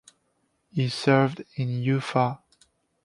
He served in Ufa.